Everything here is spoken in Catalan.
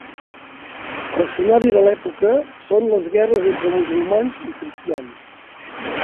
L'escenari de l'època són les guerres entre musulmans i cristians.